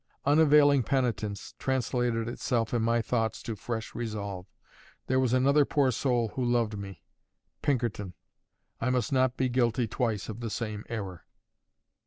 Unavailing penitence translated itself in my thoughts to fresh resolve. There was another poor soul who loved me: Pinkerton. I must not be guilty twice of the same error.